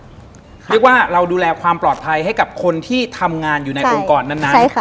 เรียกว่าเราดูแลความปลอดภัยให้กับคนที่ทำงานอยู่ในองค์กรนั้น